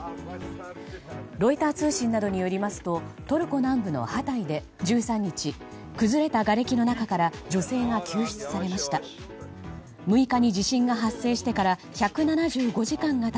ロイター通信などによりますとトルコ南部のハタイで１３日、崩れたがれきの中から女性が救出されました。